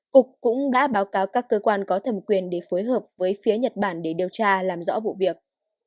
cục cũng đã báo cáo các cơ quan có thẩm quyền để phối hợp với phía nhật bản để điều tra làm rõ vụ việc